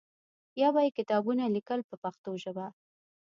یا به یې کتابونه لیکل په پښتو ژبه.